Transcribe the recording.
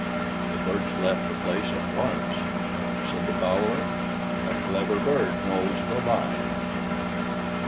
The birds left the place at once. Said the fowler, "A clever bird knows the lime!"